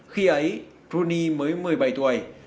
khi ấy weiruni mới một mươi bảy tuổi